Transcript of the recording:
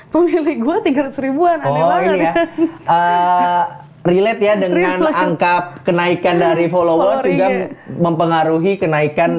pilih gua tiga ratus aneh banget ya dengan angka kenaikan dari followers juga mempengaruhi kenaikan